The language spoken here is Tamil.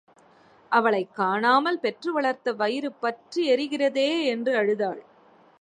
அவளைக் காணாமல் பெற்று வளர்த்த வயிறு பற்றி எரிகிறதே! என்று அழுதாள்.